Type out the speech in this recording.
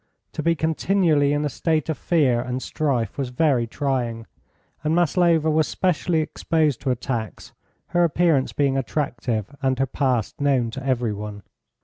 To be continually in a state of fear and strife was very trying. And Maslova was specially exposed to attacks, her appearance being attractive and her past known to every one.